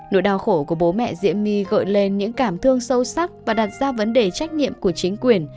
nỗi đau khổ của bố mẹ diễm my gợi lên những cảm thương sâu sắc và đặt ra vấn đề trách nhiệm của chính quyền